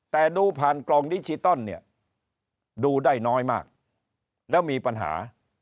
แต่ดูผ่านกล่องดิจิตอลเนี่ยดูได้น้อยมากแล้วมีปัญหา